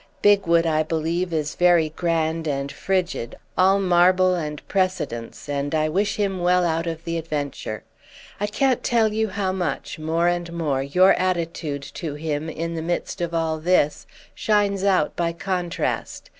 Bigwood, I believe, is very grand and frigid, all marble and precedence, and I wish him well out of the adventure. I can't tell you how much more and more your attitude to him, in the midst of all this, shines out by contrast.